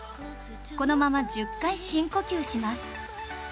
このまま１０回深呼吸します